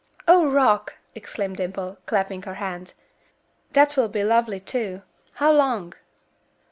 "Oh! Rock," exclaimed Dimple, clapping her hands, "that will be lovely, too. How long?"